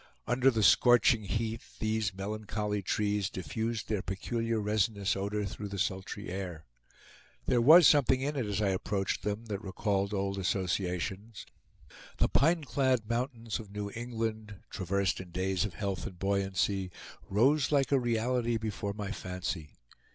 Under the scorching heat these melancholy trees diffused their peculiar resinous odor through the sultry air. There was something in it, as I approached them, that recalled old associations; the pine clad mountains of New England, traversed in days of health and buoyancy, rose like a reality before my fancy.